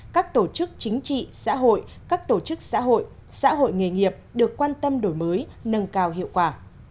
các tổ chức chính trị xã hội các tổ chức xã hội xã hội nghề nghiệp được quan tâm đổi mới nâng cao hiệu quả